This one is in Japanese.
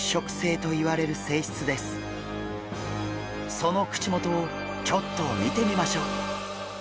その口元をちょっと見てみましょう。